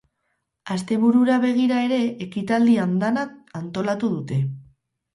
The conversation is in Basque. Asteburura begira ere ekitaldi andana antolatu dute.